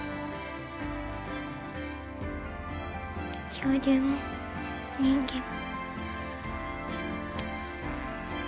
恐竜も人間も。